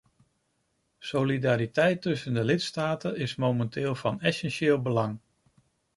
Solidariteit tussen de lidstaten is momenteel van essentieel belang.